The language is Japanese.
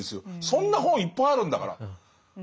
そんな本いっぱいあるんだから。